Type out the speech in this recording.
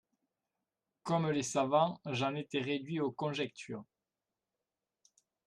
Comme les savants, j'en étais réduit aux conjectures.